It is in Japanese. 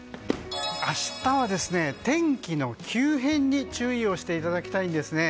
明日は天気の急変に注意をしていただきたいんですね。